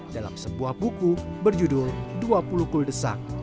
dalam sebuah buku berjudul dua puluh kuldesak